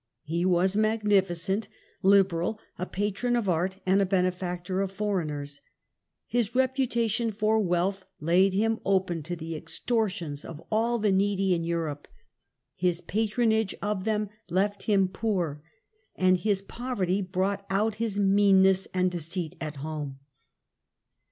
He was magnificent, liberal, a patron of art, and a benefactor of foreigners. His reputation for wealth laid him open to the extortions of all the needy in Europe; his patronage of them left him poor; and his poverty brought out his meanness and deceit at home."